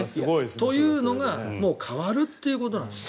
というのがもう変わるってことなんですよ。